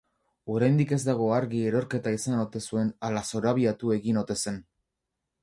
Oraindik ez dago argi erorketa izan ote zuen ala zorabiatu egin ote zen.